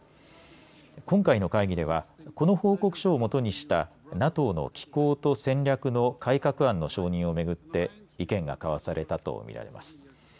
今回の会議では、この報告書をもとにしたＮＡＴＯの機構と戦略の改革案の承認をめぐって意見が交わされたとみられます。